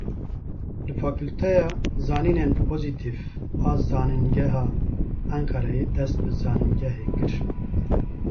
Li fakûlteya zanînên pozîtîv a Zanîngeha Enqereyê dest bi zanîngehê kir.